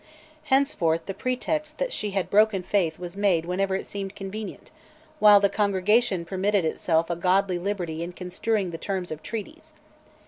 Henceforth the pretext that she had broken faith was made whenever it seemed convenient, while the Congregation permitted itself a godly liberty in construing the terms of treaties.